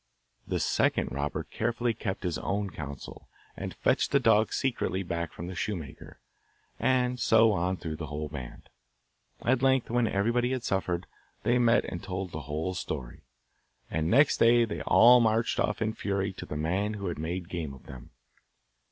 The second robber carefully kept his own counsel, and fetched the dog secretly back from the shoemaker, and so on through the whole band. At length, when everybody had suffered, they met and told the whole story, and next day they all marched off in fury to the man who had made game of them.